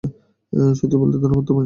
সত্যি বলতে, ধন্যবাদ তোমায়।